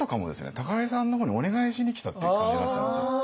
高井さんの方にお願いしに来たっていう感じになっちゃうんですよ。